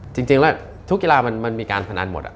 จริงแล้วทุกกีฬามันมีการพนันหมด